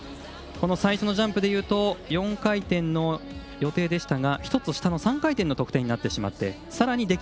最初のジャンプでいうと４回転の予定でしたが１つ下の３回転の得点になってしまってさらに